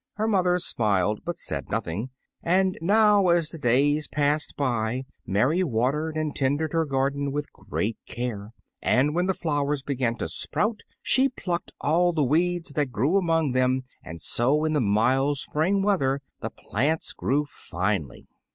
Her mother smiled, but said nothing; and now, as the days passed by, Mary watered and tended her garden with great care; and when the flowers began to sprout she plucked all the weeds that grew among them, and so in the mild spring weather the plants grew finely.